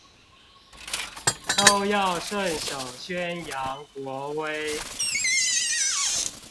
都要順手宣揚國威